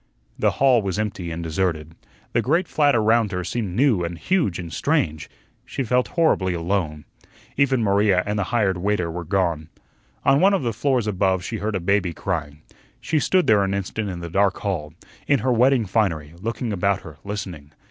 The hall was empty and deserted. The great flat around her seemed new and huge and strange; she felt horribly alone. Even Maria and the hired waiter were gone. On one of the floors above she heard a baby crying. She stood there an instant in the dark hall, in her wedding finery, looking about her, listening.